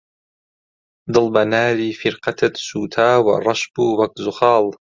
دڵ بە ناری فیرقەتت سووتاوە، ڕەش بوو وەک زوخاڵ